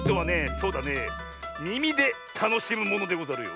そうだねみみでたのしむものでござるよ。